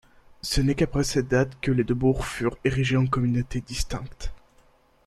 Ce n'est qu'après cette date que les deux bourgs furent érigés en communautés distinctes.